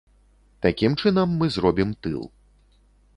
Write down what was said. Такім чынам мы зробім тыл.